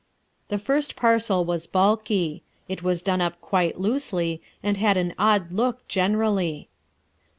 The first parcel was bulky; it was done up quite loosely and had an odd look generally.